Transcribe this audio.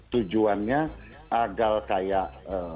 tujuannya agar kayak